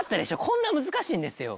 こんな難しいんですよ。